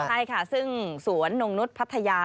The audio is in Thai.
ใช่ค่ะซึ่งสวนนงนุษย์พัทยา